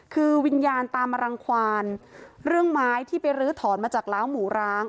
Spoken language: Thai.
คือวิญญาณตามมารังความเรื่องไม้ที่ไปลื้อถอนมาจากล้างหมูร้าง